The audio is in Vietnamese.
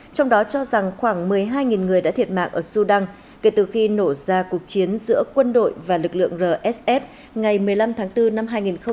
trong đó cho rằng khoảng một mươi hai người đã thiệt mạng ở sudan kể từ khi nổ ra cuộc chiến giữa quân đội và lực lượng rsf ngày một mươi năm tháng bốn năm hai nghìn hai mươi